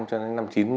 cho đến năm chín mươi